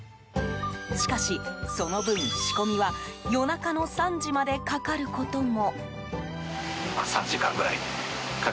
しかしその分、仕込みは夜中の３時までかかることも。